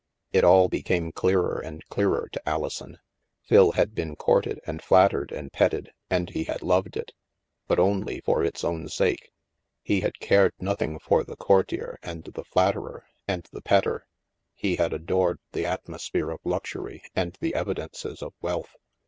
'' It all became clearer and clearer to Alison. Phil had been courted and flattered and petted and he had loved it — but only for its own sake. He had cared nothing for the courtier and the flatterer and the petter. He had adored the atmosphere of luxury and the evidences of wealth.